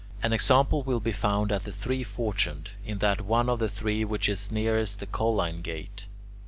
An example will be found at the Three Fortunes, in that one of the three which is nearest the Colline gate.